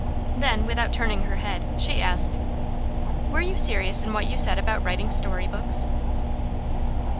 Then, without turning her head, she asked: 'Were you serious in what you said about writing storybooks?